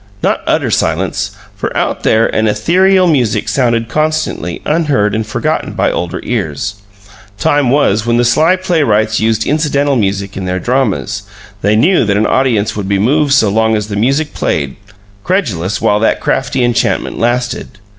Not utter silence, for out there an ethereal music sounded constantly, unheard and forgotten by older ears. Time was when the sly playwrights used "incidental music" in their dramas; they knew that an audience would be moved so long as the music played; credulous while that crafty enchantment lasted.